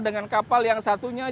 dengan kapal yang berada di dalam kapal